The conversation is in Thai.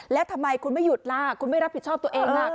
แล้วทำไมคุณไม่หยุดล่ะคุณไม่รับผิดชอบตัวเองล่ะ